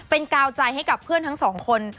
เป็นกาวใจให้กับเพื่อนทั้งสองคน